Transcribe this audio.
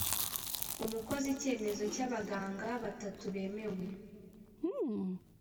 Umukozi icyemezo cy abaganga batatu bemewe